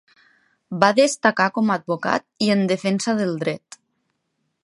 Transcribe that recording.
Va destacar com a advocat i en defensa del dret.